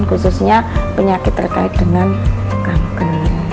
khususnya penyakit terkait dengan kanker